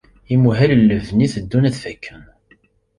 Imuhal n lebni teddun ad fakken.